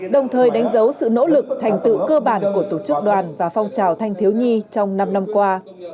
đồng thời đánh dấu sự nỗ lực thành tựu cơ bản của tổ chức đoàn và phong trào thanh thiếu nhi trong năm năm qua